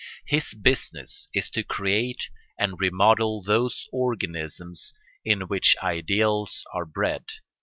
His business is to create and remodel those organisms in which ideals are bred.